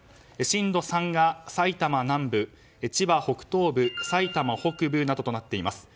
震度３が埼玉南部千葉北東部、埼玉北部などとなっています。